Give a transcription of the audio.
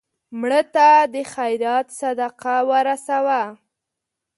مړه ته د خیرات صدقه ورسوه